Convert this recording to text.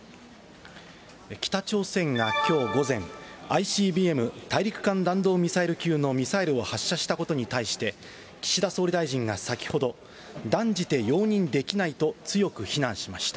北朝鮮がきょう午前、ＩＣＢＭ・大陸間弾道ミサイル級のミサイルを発射したことに対して、岸田総理大臣が先ほど、断じて容認できないと強く非難しました。